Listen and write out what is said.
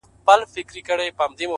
پښتنو انجونو کي حوري پيدا کيږي’